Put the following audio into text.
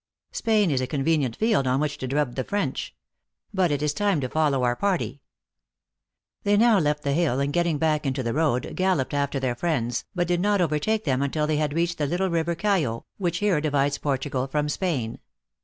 Spain is a convenient field on which to drub the French. But it is time to follow our party." They now left the hill and getting back into the road, galloped after their friends, but did not over take them until they had reached the little river Cayo, which here divides Portugal from Spain.